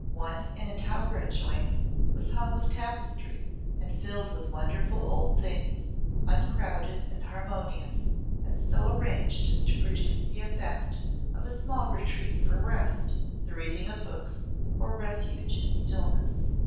One in a tower adjoining was hung with tapestry and filled with wonderful old things, uncrowded and harmonious and so arranged as to produce the effect of a small retreat for rest, the reading of books or refuge in stillness.